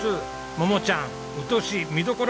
桃ちゃん宇土市見どころ